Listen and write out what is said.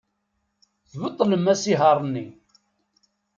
Tbeṭlem asihaṛ-nni.